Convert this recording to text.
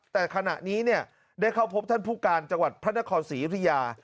แต่ขณะนี้ได้เข้าพบท่านผู้การจังหวัดพระนครศรียุธยา